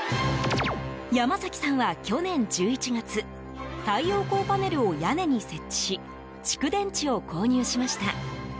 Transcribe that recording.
山崎さんは去年１１月太陽光パネルを屋根に設置し蓄電池を購入しました。